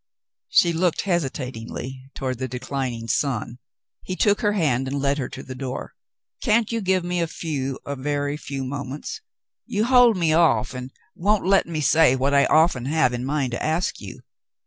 She looked hesitatingly toward the declin ing sun. He took her hand and led her to the door. " Can't you give me a few, a very few moments ? You hold me off and won't let me say what I often have in mind to ask you."